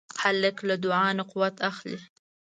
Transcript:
هلک له دعا نه قوت اخلي.